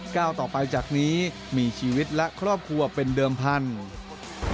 ก้าวต่อไปจากนี้มีชีวิตและครอบครัวเป็นเดิมพันธุ์